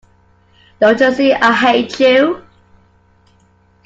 Don't you see I hate you.